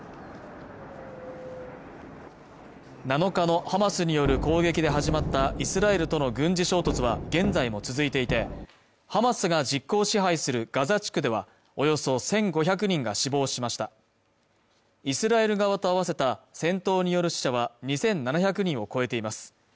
７日のハマスによる攻撃で始まったイスラエルとの軍事衝突は現在も続いていてハマスが実効支配するガザ地区ではおよそ１５００人が死亡しましたイスラエル側と合わせた戦闘による死者は２７００人を超えています